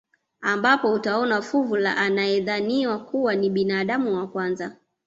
Ambapo utaona fuvu la anayedhaniwa kuwa ni binadamu wa kwanza